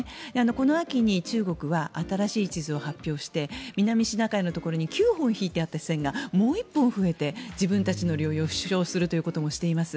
この秋に中国は新しい地図を発表して南シナ海のところに９本引いてあった線がもう１本増えて自分たちの領有を主張するということもしています。